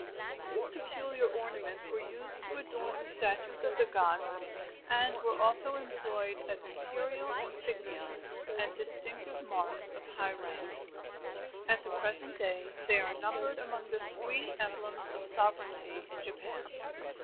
These peculiar ornaments were used to adorn the statues of the gods and were also employed as imperial insignia and distinctive marks of high rank. At the present day they are numbered among the three emblems of sovereignty in Japan.